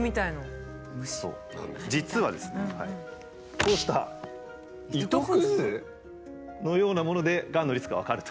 実はですねこうした糸くずのようなものでがんのリスクが分かると。